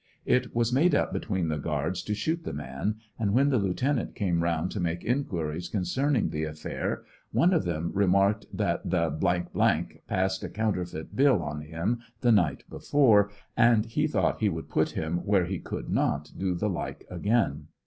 It was made up between the guards to shoot the man, and when the lieu tenant came round to make inquiries concerning the affair, one of them remarked that the passed a counterfeit bill on him the night before, and he thought he would put him where he could not do the Ike again.